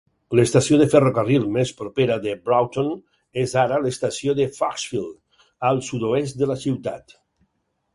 L'estació de ferrocarril més propera de Broughton és ara l'estació de Foxfield, al sud-oest de la ciutat.